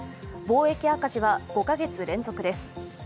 貿易赤字は５カ月連続です。